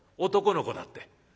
男の子だって」。